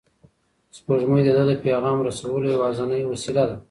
سپوږمۍ د ده د پیغام رسولو یوازینۍ وسیله ده.